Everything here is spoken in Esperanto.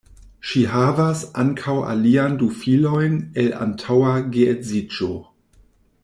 Ŝi havas ankaŭ alian du filojn el antaŭa geedziĝo.